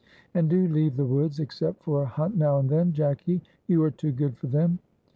"And do leave the woods, except for a hunt now and then, Jacky; you are too good for them."